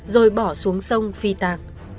rồi bỏ xuống sông phi tan